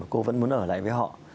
cô vẫn muốn ở lại với họ